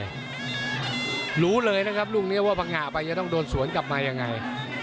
อย่างรู้เลยนะครับว่าพังหงาไปอยู่น่าทองสวนกลับมายังไง